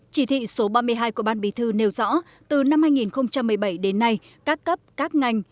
chỉ thị số ba mươi hai của ban bí thư nêu rõ từ năm hai nghìn một mươi bảy đến nay các cấp các ngành